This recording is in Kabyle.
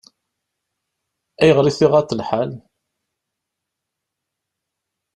Ayɣer i t-iɣaḍ lḥal?